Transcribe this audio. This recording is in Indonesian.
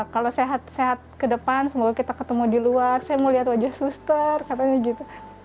kalau sehat sehat ke depan semoga kita ketemu di luar saya mau lihat wajah suster katanya gitu